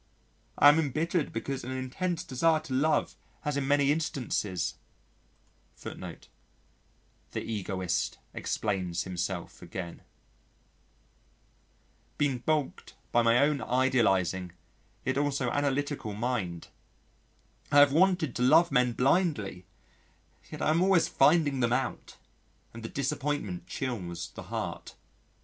I am embittered because an intense desire to love has in many instances been baulked by my own idealising yet also analytical mind. I have wanted to love men blindly, yet I am always finding them out, and the disappointment chills the heart.